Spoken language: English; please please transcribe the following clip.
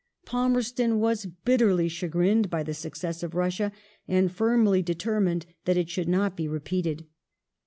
Palmei*ston was bitterly chagrined by the success of Russia, and firmly determined that it should not be repeated.